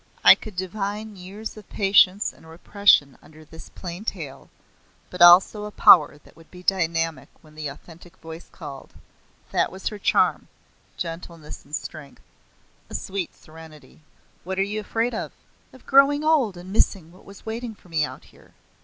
I could divine years of patience and repression under this plain tale, but also a power that would be dynamic when the authentic voice called. That was her charm gentleness in strength a sweet serenity. "What were you afraid of?" "Of growing old and missing what was waiting for me out here.